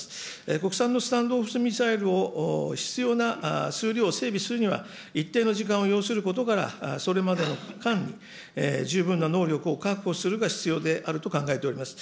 国産のスタンド・オフ・ミサイルを必要な数量を整備するには、一定の時間を要することから、それまでの間に十分な能力を確保することが必要と考えております。